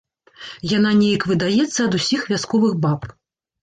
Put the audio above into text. Яна неяк выдаецца ад усіх вясковых баб.